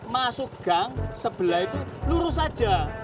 masuk gang sebelah itu lurus saja